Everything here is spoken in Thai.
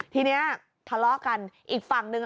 ทีนี้ทะเลาะกันอีกฝั่งหนึ่ง